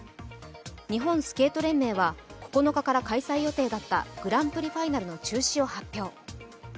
日本スケート連盟は９日から開催予定だったグランプリファイナルの中止を発表。